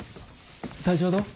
体調はどう？